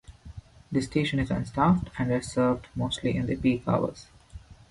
The station is unstaffed, and is served mostly in the peak hours.